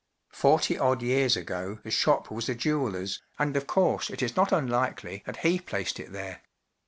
Forty odd years ago the shop was a jeweller's, and of course it is not unlikely that he placed it there.